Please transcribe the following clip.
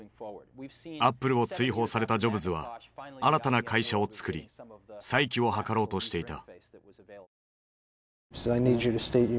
アップルを追放されたジョブズは新たな会社をつくり再起を図ろうとしていた。